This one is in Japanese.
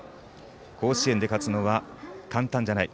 甲子園で勝つのは簡単じゃない。